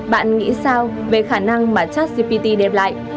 bạn nghĩ sao về khả năng mà charts gpt đem lại